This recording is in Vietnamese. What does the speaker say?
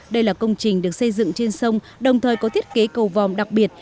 đây là công trình được xây dựng trên sông đồng thời có thiết kế cầu vòm đặc biệt